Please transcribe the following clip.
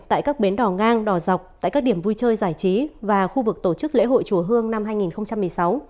tại các bến đỏ ngang đỏ dọc tại các điểm vui chơi giải trí và khu vực tổ chức lễ hội chùa hương năm hai nghìn một mươi sáu